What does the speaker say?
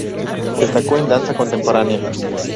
Destacó en danza contemporánea.